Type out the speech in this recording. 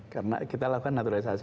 karena kita lakukan naturalisasi